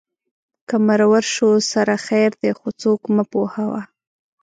که مرور شو سره خیر دی خو څوک مه پوهوه